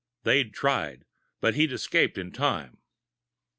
They'd tried but he'd escaped in time.